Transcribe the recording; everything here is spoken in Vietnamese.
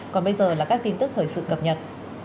còn bây giờ là các tin tức thời sự cập nhật